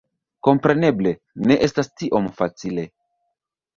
Kompreneble, ne estas tiom facile.